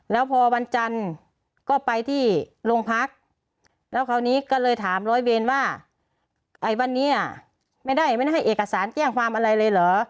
แล้วพอวันจันทร์ก็ไปที่โรงพักแล้วคราวนี้ก็เลยถามร้อยเวรว่าไอ้วันนี้ไม่ได้ไม่ได้ให้เอกสารแจ้งความอะไรเลยเหรอ